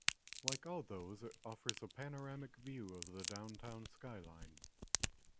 Like all those, it offers a panoramic view of the downtown skyline.